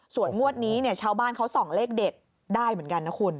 ส่วนงวดนี้เนี่ยชาวบ้านเขาส่องเลขเด็ดได้เหมือนกันนะคุณ